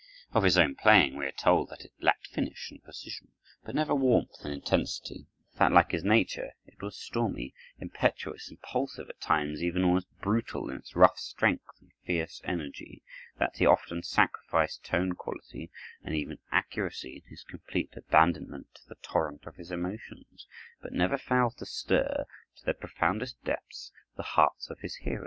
Of his own playing, we are told that it lacked finish and precision, but never warmth and intensity; that, like his nature, it was stormy, impetuous, impulsive, at times even almost brutal in its rough strength and fierce energy; that he often sacrificed tone quality and even accuracy in his complete abandonment to the torrent of his emotions, but never failed to stir to their profoundest depths the hearts of his hearers.